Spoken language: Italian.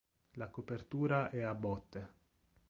La copertura è a botte.